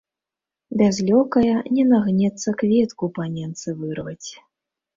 Без лёкая не нагнецца кветку паненцы вырваць.